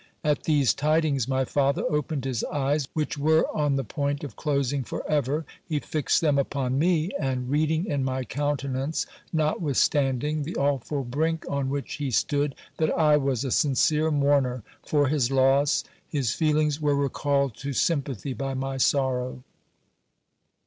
At these tidings my father opened his eyes, which where on the point of closing for ever : he fixed them upon me ; and reading in my countenance, notwithstanding the awful brink on which he stood, that I was a sincere mourner for his loss, his feelings were recalled to sympathy by my sorrow.